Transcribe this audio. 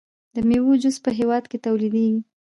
د میوو جوس په هیواد کې تولیدیږي.